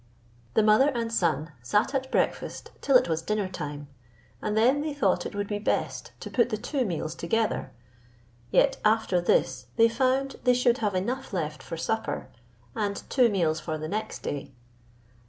The mother and son sat at breakfast till it was dinner time, and then they thought it would be best to put the two meals together; yet after this they found they should have enough left for supper, and two meals for the next day.